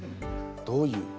どういう。